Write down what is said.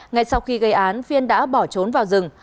ngay sau khi gây án phiên đã bỏ trốn vào rừng